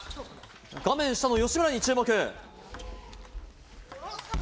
画面下の吉村に注目。